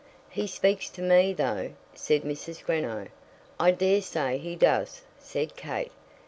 "He speaks to me, though," said Mrs. Greenow. "I dare say he does," said Kate.